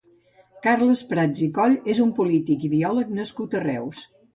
Carles Prats i Cot és un polític i biòleg nascut a Reus.